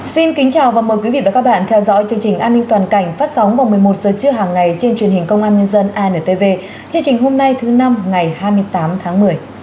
xin kính chào và mời quý vị và các bạn theo dõi chương trình an ninh toàn cảnh phát sóng vào một mươi một h trưa hàng ngày trên truyền hình công an nhân dân intv chương trình hôm nay thứ năm ngày hai mươi tám tháng một mươi